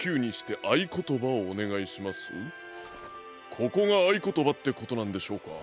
ここがあいことばってことなんでしょうか？